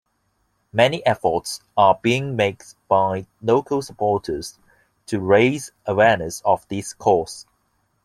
Many efforts are being made by local supporters to raise awareness of this cause.